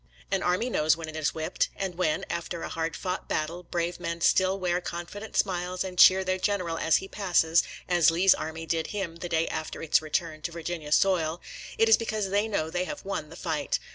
An army knows when it is whipped, and when, after a hard fought battle, brave men still wear confi dent smiles and cheer their general as he passes — ^as Lee's army did him the day after its return to Virginia soil — it is because they know they have won the fight.